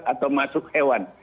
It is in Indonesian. atau masuk hewan